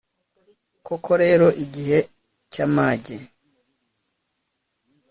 koko rero, igihe cy'amage